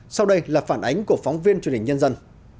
sau đây là phản ánh của phóng viên truyền hình nhân dân